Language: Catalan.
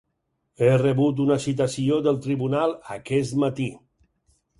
He rebut una citació del tribunal aquest matí.